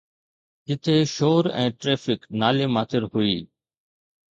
جتي شور ۽ ٽريفڪ نالي ماتر هئي.